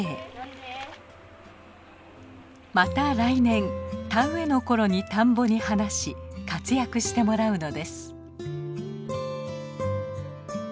また来年田植えの頃に田んぼに放し活躍してもらうのです。